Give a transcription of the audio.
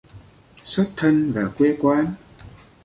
Xuất thân và quê quán